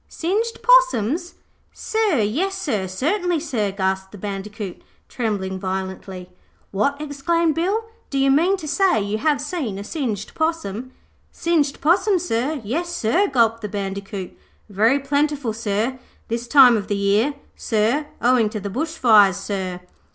'Singed possums, sir, yes sir, certainly sir,' gasped the Bandicoot, trembling violently. 'What!' exclaimed Bill, 'do yer mean to say you have seen a singed possum?' 'Singed possums, sir, yes sir,' gulped the Bandicoot. 'Very plentiful, sir, this time of the year, sir, owing to the bush fires, sir.'